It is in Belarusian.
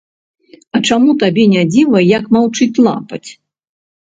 А чаму табе не дзіва, як маўчыць лапаць?